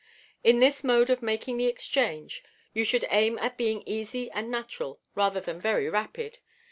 In this mode of making thechange, you should aim at being easy and natural, rather than very rapid.